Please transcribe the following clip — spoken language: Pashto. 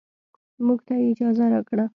موږ ته يې اجازه راکړه.